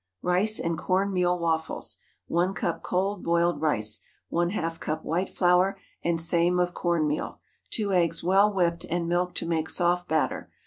RICE AND CORN MEAL WAFFLES. 1 cup cold boiled rice. ½ cup white flour, and same of corn meal. 2 eggs well whipped, and milk to make soft batter.